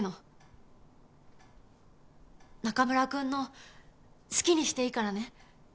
中村くんの好きにしていいからね。